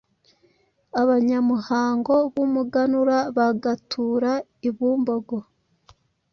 abanyamuhango b’umuganura bagatura i Bumbogo;